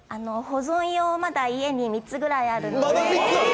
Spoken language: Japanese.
保存用がまだ家に３つぐらいあるので。